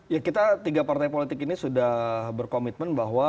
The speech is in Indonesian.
ya kita tiga partai politik ini sudah berkomitmen bahwa